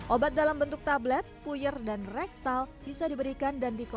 obat dalam bentuk tablet puyer dan rektal bisa diberikan dan dikonsum